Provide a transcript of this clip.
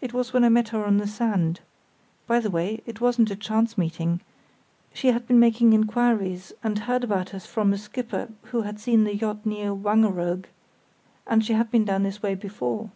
"It was when I met her on the sand. (By the way, it wasn't a chance meeting; she had been making inquiries and heard about us from a skipper who had seen the yacht near Wangeroog, and she had been down this way before.)